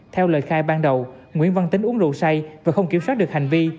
theo lời khai ban đầu nguyễn văn tính uống rượu say và không kiểm soát được hành vi